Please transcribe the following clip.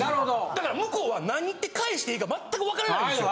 だから向こうは何で返していいか全くわからないんですよ。